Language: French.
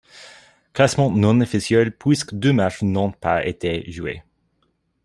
Classement non officiel puisque deux matches n'ont pas été joués.